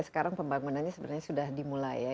sekarang pembangunannya sebenarnya sudah dimulai ya